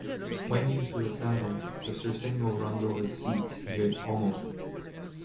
When used with a saddle, the surcingle runs over the seat near the pommel.